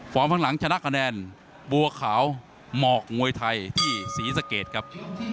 ข้างหลังชนะคะแนนบัวขาวหมอกมวยไทยที่ศรีสะเกดครับ